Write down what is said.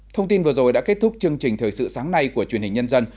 thông tin vừa rồi đã kết thúc chương trình thời sự sáng nay của truyền hình nhân dân